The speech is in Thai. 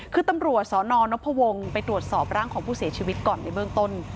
คือตำรวจสนพวงไปตรวจสอบร่างของผู้เสียชีวิตก่อนในเบื้องต้น